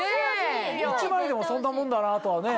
１枚でもそんなもんだなとはね。